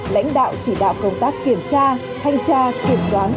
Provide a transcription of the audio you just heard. lãnh đạo chỉ đạo công tác kiểm tra thanh tra kiểm đoán